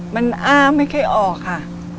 มันอ้าไม่ค่อยออกค่ะ